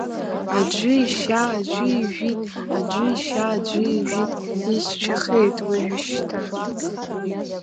Аӡәы ишьа аӡәы ижәит, аӡәы ишьа аӡәы ижәит, еишьцәахеит уажәышьҭа.